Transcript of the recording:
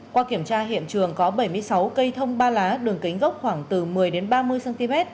qua kiểm tra hiện trường có bảy mươi sáu cây thông ba lá đường kính gốc khoảng từ một mươi đến ba mươi cm